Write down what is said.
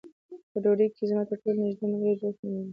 په دوی کې زما ترټولو نږدې ملګری جوزف نومېده